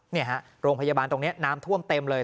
นี่ฮะโรงพยาบาลตรงนี้น้ำท่วมเต็มเลย